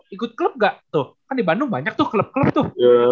ikut klub gak tuh kan di bandung banyak tuh klub klub tuh